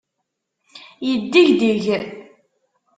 Yeddegdeg.